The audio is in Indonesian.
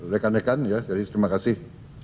rekan rekan ya jadi terima kasih